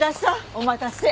お待たせ。